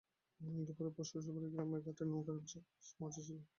দুপুরের পর শ্বশুরবাড়ীর গ্রামের ঘাটে নৌকা পৌঁছিল।